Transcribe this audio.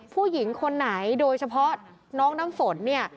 ผู้หญิงคนไหนโดยเฉพาะน้องน้ำฝนเนี่ย